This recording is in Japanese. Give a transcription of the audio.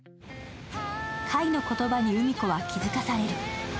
カイの言葉にうみ子は気づかされる。